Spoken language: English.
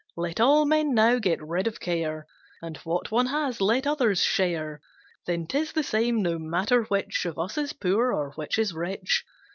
Let all men now get rid of care, And what one has let others share; Then 'tis the same, no matter which Of us is poor, or which is rich.